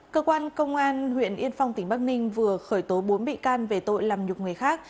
cơ quan công an huyện yên phong tỉnh bắc ninh vừa khởi tố bốn bị can về tội làm nhục người khác